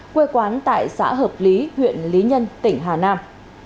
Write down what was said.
quê quán tại xã hợp lý huyện lý nhân tỉnh hà nam